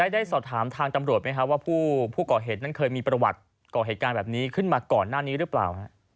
ได้สอบถามทางตำรวจไหมครับว่าผู้ก่อเหตุนั้นเคยมีประวัติก่อเหตุการณ์แบบนี้ขึ้นมาก่อนหน้านี้หรือเปล่า